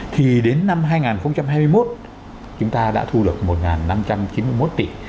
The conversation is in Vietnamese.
thì đến năm hai nghìn hai mươi một chúng ta đã thu được một năm trăm chín mươi một tỷ